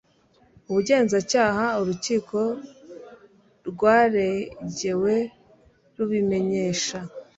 ubugenzacyaha urukiko rwaregewe rubimenyesha